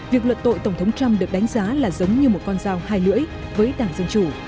việc luận tội tổng thống trump được đánh giá là giống như một con dao hai lưỡi với đảng dân chủ